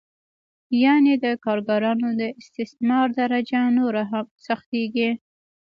یانې د کارګرانو د استثمار درجه نوره هم سختېږي